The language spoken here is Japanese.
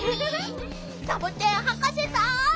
サボテンはかせさん。